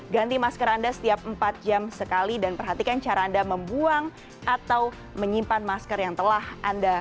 ganti masker anda setiap empat jam sekali dan perhatikan cara anda membuang atau menyimpan masker yang telah anda